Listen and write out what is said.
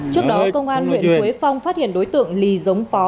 trước đó công an huyện quế phong phát hiện đối tượng lì giống pó